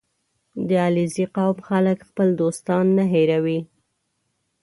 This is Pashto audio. • د علیزي قوم خلک خپل دوستان نه هېروي.